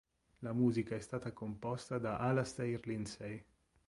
La musica è stata composta da Alastair Lindsay.